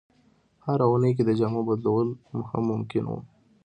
هره اونۍ کې د جامو بدلول هم ممکن وو.